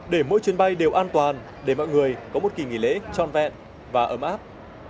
để mỗi chuyến bay đều an toàn để mọi người có một kỳ nghỉ lễ tròn vẹn và ấm áp